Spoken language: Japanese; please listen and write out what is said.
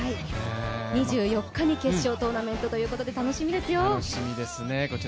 ２４日に決勝トーナメントということで、楽しみですよ。